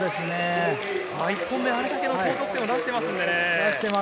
１本目、あれだけの高得点を出していますのでね。